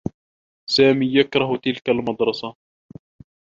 سامي يكره تلك المدرّسة.